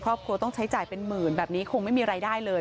ครอบครัวต้องใช้จ่ายเป็นหมื่นแบบนี้คงไม่มีรายได้เลย